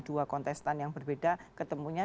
dua kontestan yang berbeda ketemunya